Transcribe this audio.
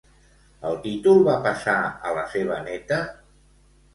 El títol va passar a la seva neta?